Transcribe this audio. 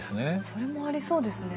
それもありそうですね。